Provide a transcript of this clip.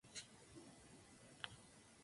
Su sede es el Aeródromo La Puntilla.